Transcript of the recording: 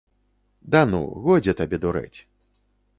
Да ну, годзе табе дурэць.